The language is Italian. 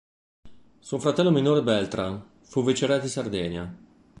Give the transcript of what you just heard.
Suo fratello minore Beltrán, fu viceré di Sardegna.